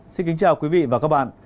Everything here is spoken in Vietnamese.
xin kính chào quý vị và các bạn